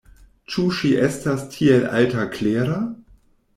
Ĉu ŝi estas tiel alte klera?